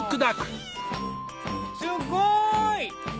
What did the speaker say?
すっごい！